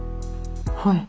はい。